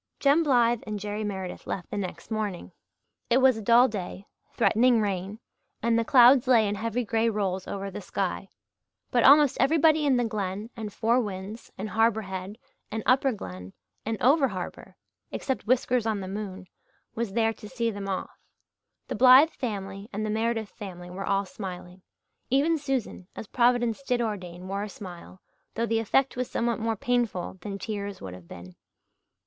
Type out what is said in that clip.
Jem Blythe and Jerry Meredith left next morning. It was a dull day, threatening rain, and the clouds lay in heavy grey rolls over the sky; but almost everybody in the Glen and Four Winds and Harbour Head and Upper Glen and over harbour except Whiskers on the moon was there to see them off. The Blythe family and the Meredith family were all smiling. Even Susan, as Providence did ordain, wore a smile, though the effect was somewhat more painful than tears would have been.